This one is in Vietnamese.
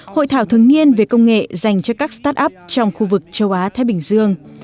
hội thảo thường nghiên về công nghệ dành cho các start up trong khu vực châu á thái bình dương